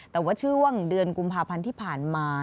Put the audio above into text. แต่ว่าช่วงเดือนกุมภาพันธ์ที่ผ่านมา